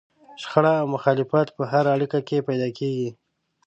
شخړه او مخالفت په هره اړيکه کې پيدا کېږي.